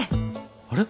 あれ？